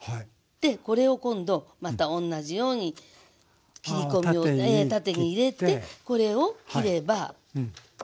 これを今度また同じように切り込みを縦に入れてこれを切れば。